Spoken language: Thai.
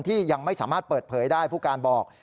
ยังไม่สามารถเปิดเผยได้ผู้การบอก